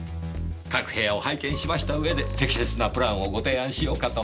各部屋を拝見しました上で適切なプランをご提案しようかと。